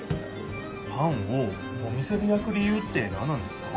パンをお店でやく理ゆうってなんなんですか？